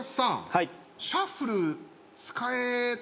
はい。